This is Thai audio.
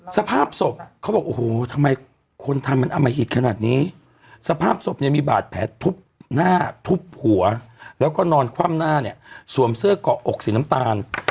สภาพศพเขาบอกโอ้โหทำไมคนทำมันอมหิตขนาดนี้สภาพศพเนี่ยมีบาดแผลทุบหน้าทุบหัวแล้วก็นอนคว่ำหน้าเนี่ยสวมเสื้อเกาะอกสีน้ำตาล